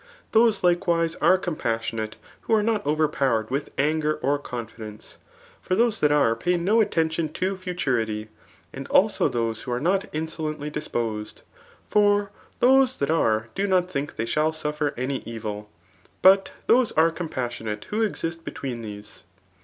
Those likewise are compassionate who are not overpowered with anger or confidence ; for those that are pay no attention to futurity. And also those who are not insolently disposed ; for those tbat are do not think they shall suffer any evil. But those are compas donate who exist between these.